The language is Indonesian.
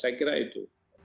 saya kira itu